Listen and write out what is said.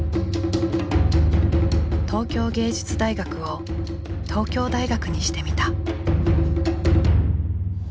東京藝術大学を東京大学にしてみた。